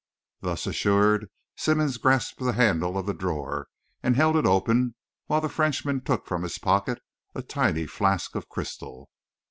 Thus assured, Simmonds grasped the handle of the drawer, and held it open, while the Frenchman took from his pocket a tiny flask of crystal.